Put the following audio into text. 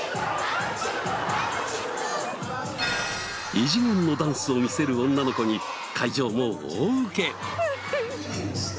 異次元のダンスを見せる女の子に会場も大ウケ。